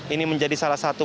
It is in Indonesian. ini menjadi salah satu